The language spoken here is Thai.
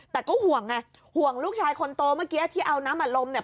แต่ก็ห่วงไงห่วงลูกชายคนโตเมื่อกี้ที่เอาน้ำอัดลมเนี่ย